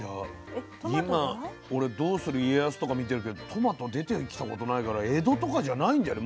今俺「どうする家康」とか見てるけどトマト出てきたことないから江戸とかじゃないんじゃない？